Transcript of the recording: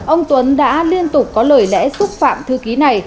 ông tuấn đã liên tục có lời lẽ xúc phạm thư ký này